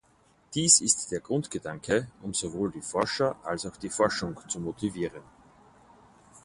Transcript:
Dies ist der Grundgedanke, um sowohl die Forscher als auch die Forschung zu motivieren.